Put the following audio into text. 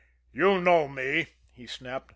"You know me!" he snapped.